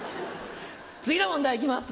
次の問題いきます。